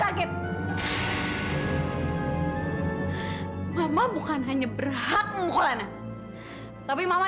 aku mau cintai kekuatannya